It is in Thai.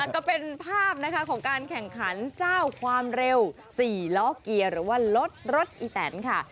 ก็เป็นภาพนะคะของการแข่งขันเจ้าความเร็ว๔ล้อเกียร์หรือว่ารถรถอีแตนค่ะ